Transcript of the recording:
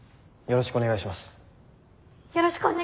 よろしくお願いします。